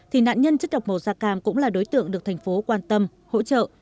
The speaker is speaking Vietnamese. thì nạn nhân chất độc màu da cam cũng là đối tượng được thành phố quan tâm hỗ trợ